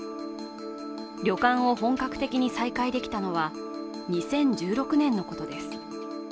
旅館を本格的に再開できたのは２０１６年のことです。